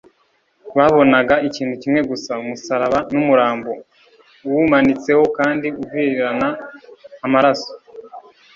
Babonaga ikintu kimwe gusa: umusaraba n'umurambo uwumanitseho kandi uvirirana amaraso,